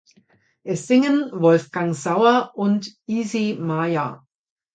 Es singen Wolfgang Sauer und Easy Maya.